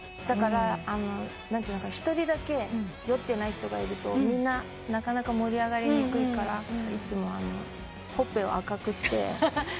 だから一人だけ酔ってない人がいるとみんななかなか盛り上がりにくいからいつもほっぺを赤くして。